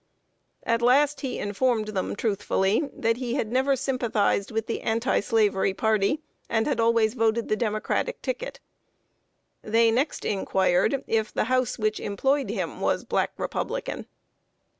At last he informed them truthfully that he had never sympathized with the Anti Slavery party, and had always voted the Democratic ticket. They next inquired if the house which employed him was Black Republican.